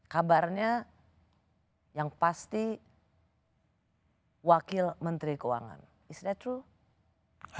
kabarnya yang pasti wakil menteri keuangan is that true